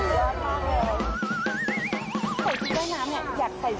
อยากใส่ซู่กับใคร